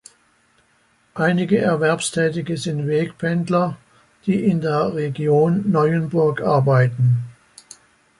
Einige Erwerbstätige sind Wegpendler, die in der Region Neuenburg arbeiten.